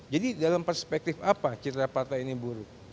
jadi dalam perspektif apa citra partai ini buruk